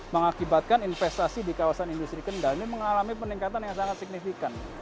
mengakibatkan investasi di kawasan industri kendal ini mengalami peningkatan yang sangat signifikan